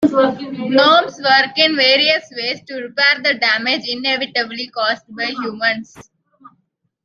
Gnomes work in various ways to repair the damage inevitably caused by humans.